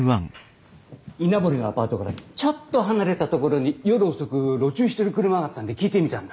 稲森のアパートからちょっと離れた所に夜遅く路駐してる車があったんで聞いてみたんだ。